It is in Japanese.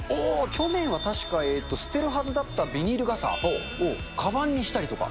去年は確か、捨てるはずだったビニール傘をかばんにしたりとか。